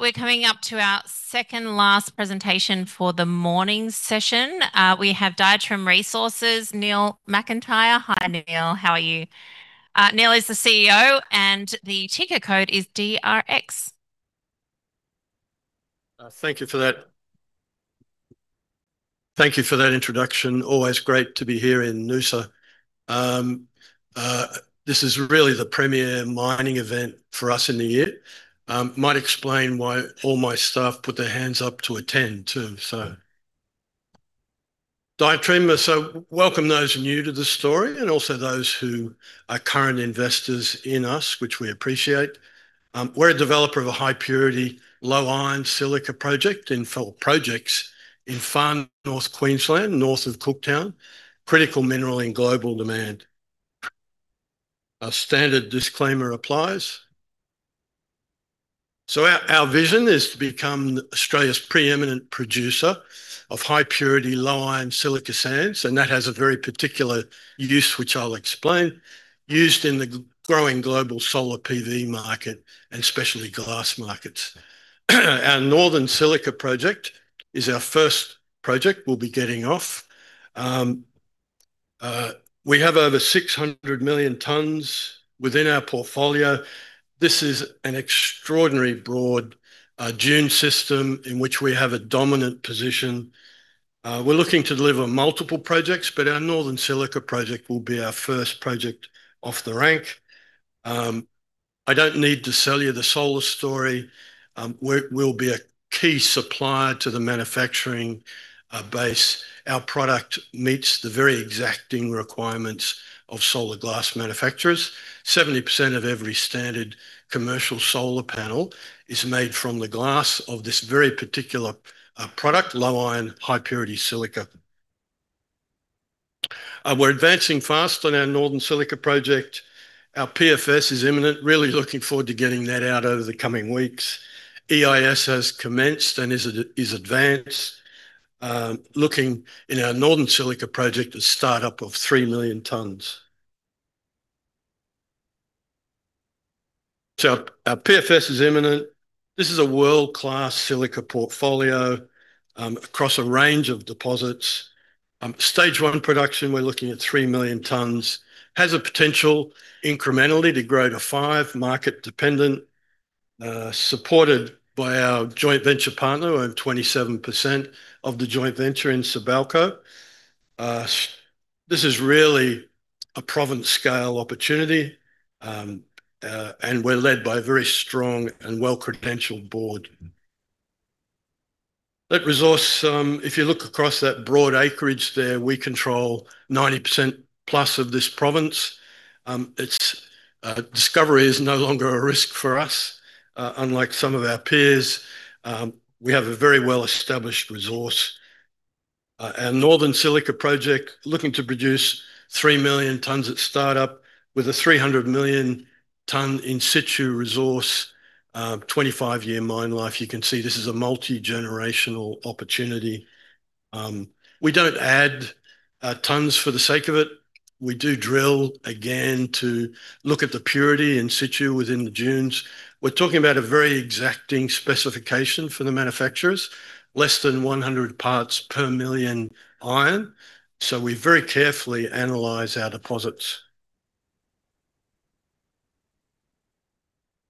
We're coming up to our second last presentation for the morning session. We have Diatreme Resources, Neil McIntyre. Hi, Neil. How are you? Neil is the CEO, and the ticker code is DRX. Thank you for that introduction. Always great to be here in Noosa. This is really the premier mining event for us in the year. Might explain why all my staff put their hands up to attend, too. Diatreme. Welcome those new to the story and also those who are current investors in us, which we appreciate. We're a developer of a high-purity, low-iron silica projects in Far North Queensland, north of Cooktown. Critical mineral in global demand. Our standard disclaimer applies. Our vision is to become Australia's pre-eminent producer of high-purity, low-iron silica sands, and that has a very particular use, which I'll explain, used in the growing global solar PV market and specialty glass markets. Our Northern Silica Project is our first project we'll be getting off. We have over 600 million tons within our portfolio. This is an extraordinarily broad dune system in which we have a dominant position. We're looking to deliver multiple projects, but our Northern Silica Project will be our first project off the rank. I don't need to sell you the solar story. We'll be a key supplier to the manufacturing base. Our product meets the very exacting requirements of solar glass manufacturers. 70% of every standard commercial solar panel is made from the glass of this very particular product, low-iron, high-purity silica. We're advancing fast on our Northern Silica Project. Our PFS is imminent. Really looking forward to getting that out over the coming weeks. EIS has commenced and is advanced. Looking in our Northern Silica Project, a start-up of three million tons. Our PFS is imminent. This is a world-class silica portfolio across a range of deposits. Stage 1 production, we're looking at three million tons. Has a potential incrementally to grow to five, market-dependent, supported by our joint venture partner, who own 27% of the joint venture in Sibelco. This is really a province-scale opportunity, and we're led by a very strong and well-credentialed board. That resource, if you look across that broad acreage there, we control 90% plus of this province. Discovery is no longer a risk for us, unlike some of our peers. We have a very well-established resource. Our Northern Silica Project, looking to produce three million tons at start-up with a 300 million ton in situ resource, 25-year mine life. You can see this is a multi-generational opportunity. We don't add tons for the sake of it. We do drill, again, to look at the purity in situ within the dunes. We're talking about a very exacting specification for the manufacturers, less than 100 parts per million iron, we very carefully analyze our deposits.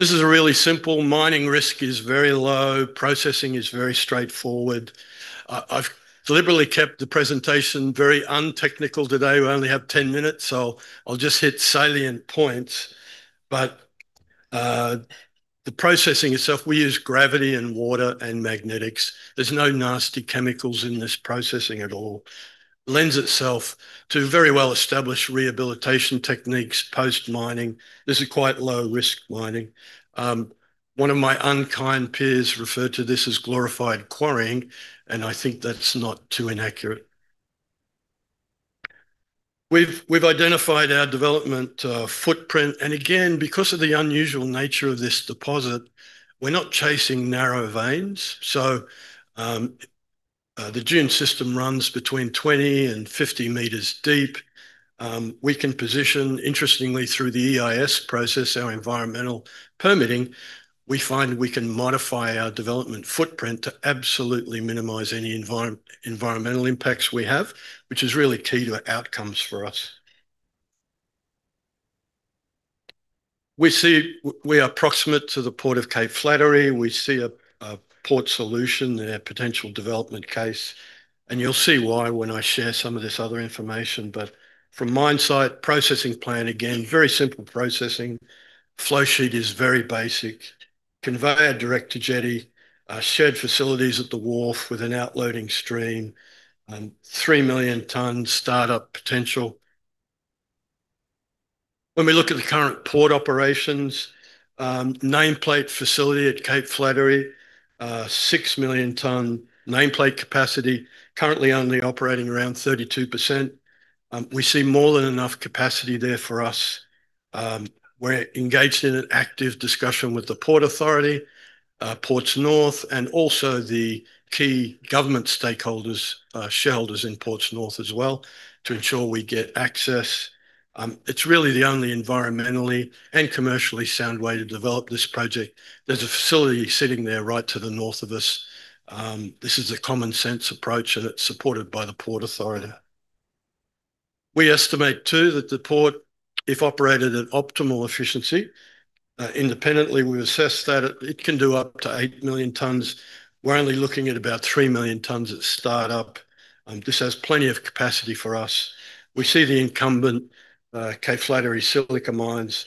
This is really simple. Mining risk is very low. Processing is very straightforward. I've deliberately kept the presentation very untechnical today. We only have 10 minutes, I'll just hit salient points. The processing itself, we use gravity and water and magnetics. There's no nasty chemicals in this processing at all. Lends itself to very well-established rehabilitation techniques post-mining. This is quite low-risk mining. One of my unkind peers referred to this as glorified quarrying, and I think that's not too inaccurate. We've identified our development footprint and again, because of the unusual nature of this deposit, we're not chasing narrow veins. The dune system runs between 20 and 50 meters deep. We can position, interestingly, through the EIS process, our environmental permitting, we find we can modify our development footprint to absolutely minimize any environmental impacts we have, which is really key to outcomes for us. We are proximate to the Port of Cape Flattery. We see a port solution in our potential development case, and you'll see why when I share some of this other information. From mine site processing plan, again, very simple processing. Flow sheet is very basic. Conveyor direct to jetty. Shared facilities at the wharf with an outloading stream and three million tons start-up potential. When we look at the current port operations, nameplate facility at Cape Flattery, six million ton nameplate capacity, currently only operating around 32%. We see more than enough capacity there for us. We're engaged in an active discussion with the Port Authority, Ports North, and also the key government stakeholders, shareholders in Ports North as well, to ensure we get access. It's really the only environmentally and commercially sound way to develop this project. There's a facility sitting there right to the north of us. This is a common-sense approach, and it's supported by the Port Authority. We estimate, too, that the port, if operated at optimal efficiency, independently we've assessed that it can do up to eight million tons. We're only looking at about three million tons at start-up. This has plenty of capacity for us. We see the incumbent Cape Flattery silica mines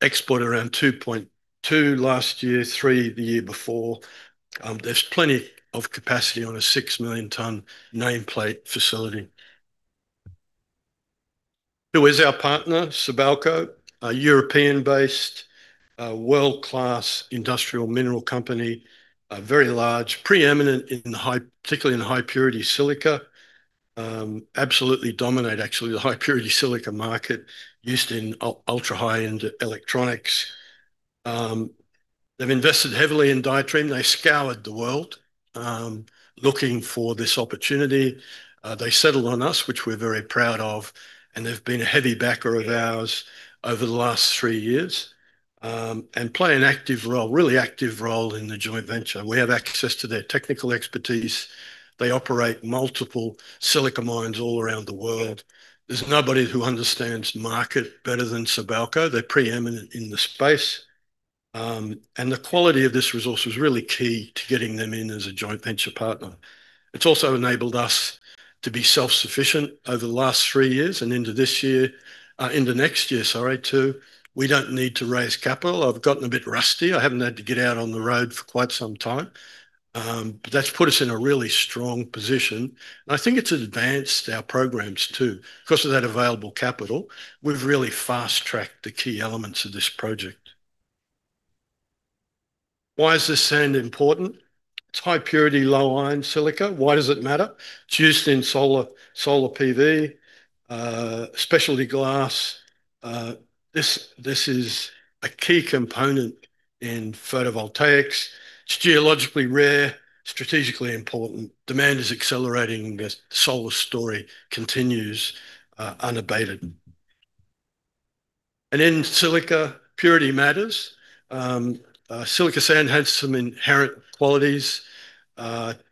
export around 2.2 last year, three the year before. There's plenty of capacity on a six million ton nameplate facility. Who is our partner? Sibelco, a European-based, world-class industrial mineral company, very large, pre-eminent, particularly in high-purity silica. Absolutely dominate, actually, the high-purity silica market used in ultra-high-end electronics. They've invested heavily in Diatreme. They scoured the world looking for this opportunity. They settled on us, which we're very proud of, and they've been a heavy backer of ours over the last three years, and play a really active role in the joint venture. We have access to their technical expertise. They operate multiple silica mines all around the world. There's nobody who understands market better than Sibelco. They're pre-eminent in the space. The quality of this resource was really key to getting them in as a joint venture partner. It's also enabled us to be self-sufficient over the last three years and into this year, into next year, sorry, too. We don't need to raise capital. I've gotten a bit rusty. I haven't had to get out on the road for quite some time. That's put us in a really strong position, and I think it's advanced our programs, too. That available capital, we've really fast-tracked the key elements of this project. Why is this sand important? It's high-purity, low-iron silica. Why does it matter? It's used in solar PV, specialty glass. This is a key component in photovoltaics. It's geologically rare, strategically important. Demands accelerating the solar story continues undebated. In silica, purity matters. Silica sand has some inherent qualities.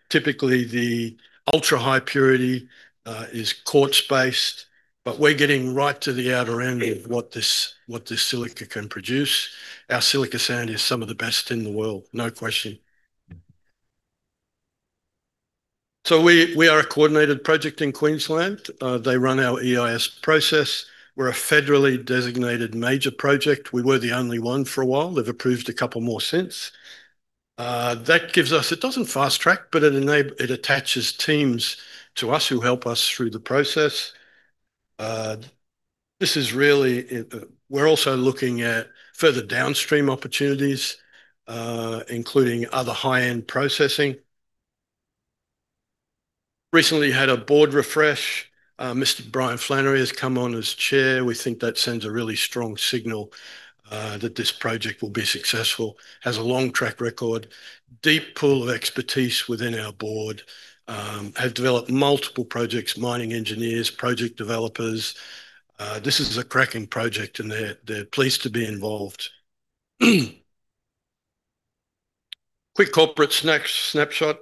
Typically, the ultra-high purity is quartz-based, but we're getting right to the outer end of what the silica can produce. Our silica sand is some of the best in the world, no question. We are a coordinated project in Queensland. They run our EIS process. We're a federally designated major project. We were the only one for a while. They've approved a couple more since. It doesn't fast-track, but it attaches teams to us who help us through the process. We're also looking at further downstream opportunities, including other high-end processing. Recently had a board refresh. Mr. Brian Flannery has come on as chair. We think that sends a really strong signal that this project will be successful, has a long track record. Deep pool of expertise within our board. Have developed multiple projects, mining engineers, project developers. This is a cracking project, and they're pleased to be involved. Quick corporate snapshot.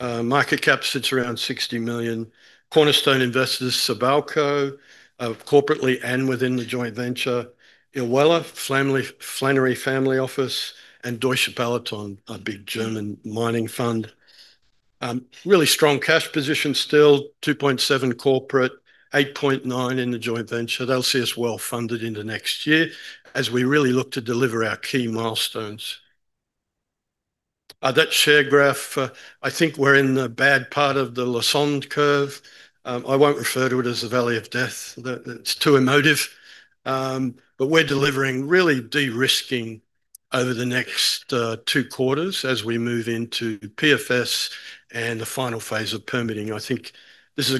Market cap sits around 60 million. Cornerstone investors, Sibelco, corporately and within the joint venture. Ilwella, Flannery Family Office, and Deutsche Balaton, a big German mining fund. Really strong cash position still, 2.7 corporate, 8.9 in the joint venture. They'll see us well-funded into next year as we really look to deliver our key milestones. That share graph, I think we're in the bad part of the Lassonde curve. I won't refer to it as the valley of death. That's too emotive. We're delivering really de-risking over the next two quarters as we move into PFS and the final phase of permitting. I think this is a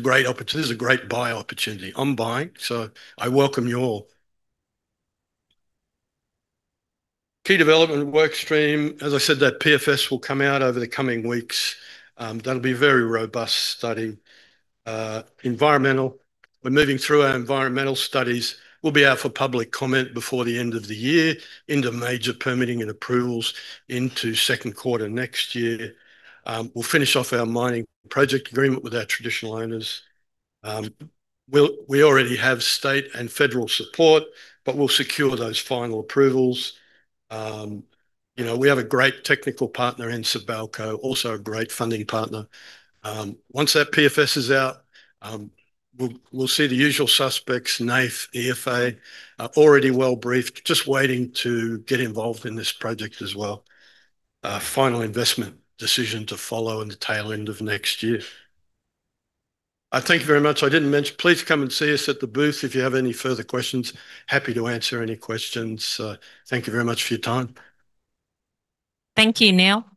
great buy opportunity. I'm buying, I welcome you all. Key development workstream, as I said, that PFS will come out over the coming weeks. That'll be a very robust study. Environmental. We're moving through our environmental studies. We'll be out for public comment before the end of the year into major permitting and approvals into Q2 next year. We'll finish off our mining project agreement with our traditional owners. We already have state and federal support, we'll secure those final approvals. We have a great technical partner in Sibelco, also a great funding partner. Once that PFS is out, we'll see the usual suspects, NAIF, EFA, already well-briefed, just waiting to get involved in this project as well. Final investment decision to follow in the tail end of next year. Thank you very much. I didn't mention, please come and see us at the booth if you have any further questions. Happy to answer any questions. Thank you very much for your time. Thank you, Neil.